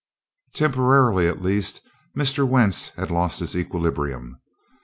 Temporarily, at least, Mr. Wentz had lost his equilibrium.